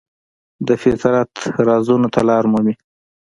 د فطرت رازونو ته لاره مومي.